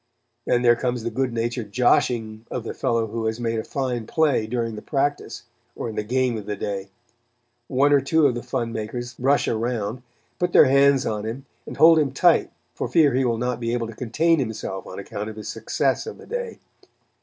Then there comes the good natured "joshing" of the fellow who has made a fine play during the practice, or in the game of the day. One or two of the fun makers rush around, put their hands on him and hold him tight for fear he will not be able to contain himself on account of his success of the day.